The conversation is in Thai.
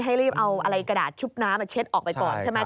ให้รีบเอาอะไรกระดาษชุบน้ำเช็ดออกไปก่อนใช่ไหม